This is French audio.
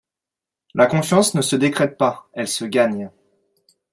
La confiance ne se décrète pas, elle se gagne.